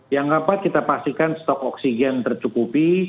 yang keempat kita pastikan stok oksigen tercukupi